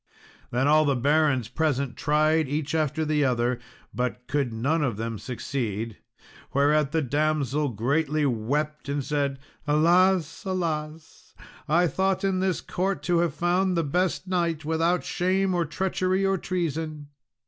Then all the barons present tried each after other, but could none of them succeed; whereat the damsel greatly wept, and said, "Alas, alas! I thought in this court to have found the best knight, without shame or treachery or treason."